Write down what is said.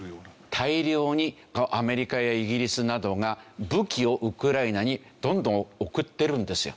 大量にアメリカやイギリスなどが武器をウクライナにどんどん送ってるんですよ。